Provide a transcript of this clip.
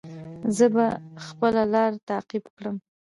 زه به خپله لاره تعقیب کړم.